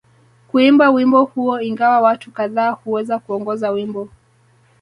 Kuimba wimbo huo ingawa watu kadhaa huweza kuongoza wimbo